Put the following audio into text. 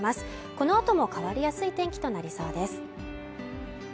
このあとも変わりやすい天気となりそうです